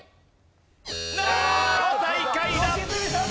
最下位だ！